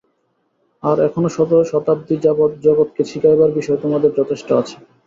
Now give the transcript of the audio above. আর এখনও শত শতাব্দী যাবৎ জগৎকে শিখাইবার বিষয় তোমাদের যথেষ্ট আছে।